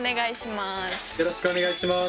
よろしくお願いします。